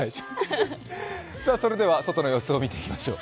外の様子を見ていきましょう。